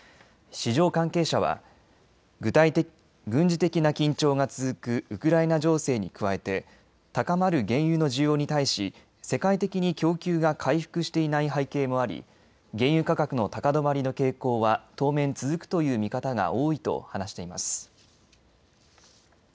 市場関係者は軍事的な緊張が続くウクライナ情勢に加えて高まる原油の需要に対し世界的に供給が回復していない背景もあり原油価格の高止まりの傾向は当面、続くという見方が多いと話しています。